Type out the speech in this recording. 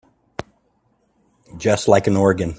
Just like an organ.